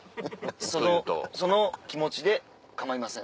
その気持ちで構いません。